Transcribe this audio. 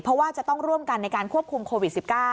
เพราะว่าจะต้องร่วมกันในการควบคุมโควิด๑๙